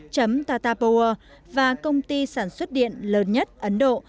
vn tata power và công ty sản xuất điện lớn nhất ấn độ